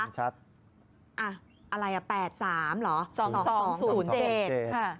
อะไรแปด๓เหรอ